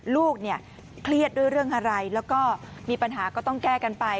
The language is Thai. ลูกเนี่ยเครียดด้วยเรื่องอะไรแล้วก็มีปัญหาก็ต้องแก้กันไป